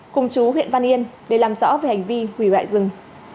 cùng chú huyện văn yên để làm rõ về hành vi hủy hoại rừng